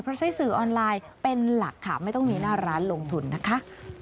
เพราะใช้สื่อออนไลน์เป็นหลักค่ะไม่ต้องมีหน้าร้านลงทุนนะคะ